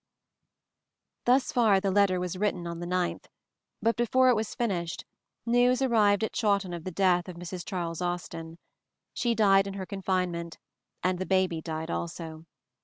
[Thus far the letter was written on the 9th, but before it was finished news arrived at Chawton of the death of Mrs. Charles Austen. She died in her confinement, and the baby died also.